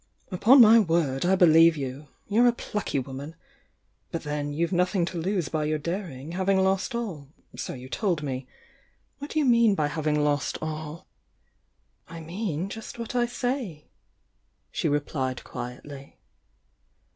"Upon my word, I believe you! You're a plucky woman! But then you've nothing to lose by your daring, having lost all — so you told me. What ilo you mean by having lost all?" "I mean just what I say," she replied quietly.